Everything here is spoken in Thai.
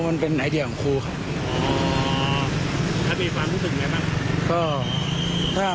มีความสุขก็โอเคครับ